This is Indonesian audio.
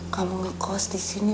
kamu ngekaos disini